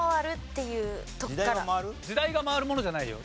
時代がまわるものじゃないよ。